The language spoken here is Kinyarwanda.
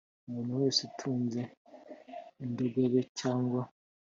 umuntu wese utunze indogobe cyangwa